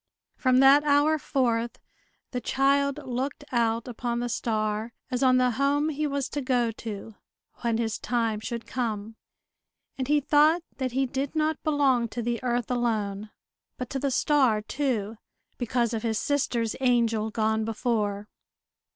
From that hour forth, the child looked out upon the star as on the home he was to go to, when his time should come; and he thought that he did not belong to the earth alone, but to the star too, because of his sister's angel gone before.